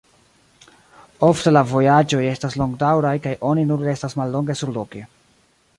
Ofte la vojaĝoj estas longdaŭraj kaj oni nur restas mallonge surloke.